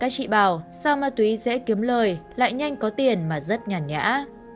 sao ma túy dễ kiếm lời lại nhanh có tiền mà rất nhả nhã